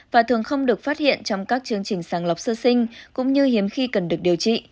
và thường không được phát hiện trong các chương trình sàng lọc sơ sinh cũng như hiếm khi cần được điều trị